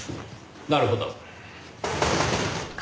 なるほど。